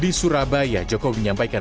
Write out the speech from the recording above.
di surabaya jokowi menyampaikan